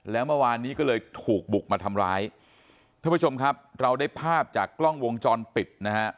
แล้วเมื่อวานนี้ก็เลยถูกบุกมาทำร้ายท่านผู้ชมครับเราได้ภาพจากกล้องวงจรปิดนะฮะ